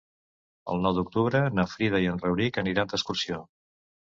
El nou d'octubre na Frida i en Rauric aniran d'excursió.